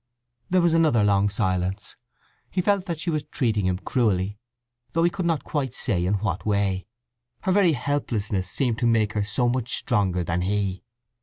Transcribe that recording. There was another long silence. He felt that she was treating him cruelly, though he could not quite say in what way. Her very helplessness seemed to make her so much stronger than he.